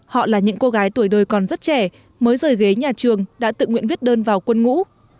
họ là những cô gái tuổi đời còn rất trẻ mới rời ghế nhà trường đã tự nguyện viết đơn vào quân ngũ